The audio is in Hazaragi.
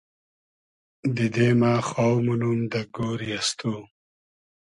دیدې مۂ خاو مونوم دۂ گۉری از تو